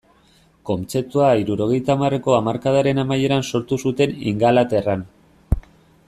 Kontzeptua hirurogeita hamarreko hamarkadaren amaieran sortu zuten Ingalaterran.